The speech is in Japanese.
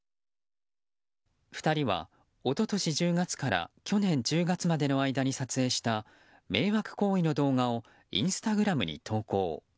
２人は一昨年１０月から去年１０月までの間に撮影した迷惑行為の動画をインスタグラムに投稿。